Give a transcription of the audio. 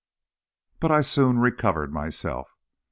But I soon recovered myself.